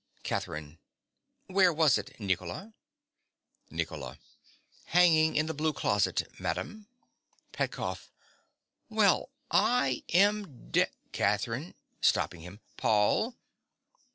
_) CATHERINE. Where was it, Nicola? NICOLA. Hanging in the blue closet, madam. PETKOFF. Well, I am d— CATHERINE. (stopping him). Paul!